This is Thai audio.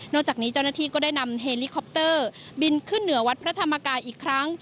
จากนี้เจ้าหน้าที่ก็ได้นำเฮลิคอปเตอร์บินขึ้นเหนือวัดพระธรรมกายอีกครั้ง